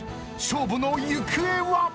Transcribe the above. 勝負の行方は⁉］